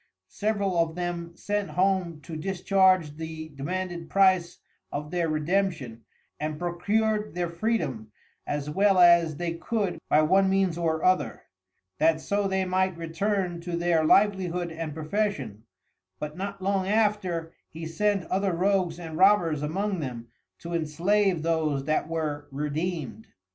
Several of them sent home to discharge the demanded price of their Redemption, and procur'd their Freedom, as well as they could by one means or other, that so they might return to their Livelihood and profession, but not long after he sent other Rogues and Robbers among them to enslave those that were Redeemed.